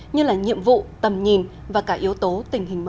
như là nhiệm vụ tầm nhìn và cả yếu tố tình hình mới